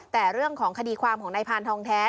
แต่เรื่องของคดีความของนายพานทองแท้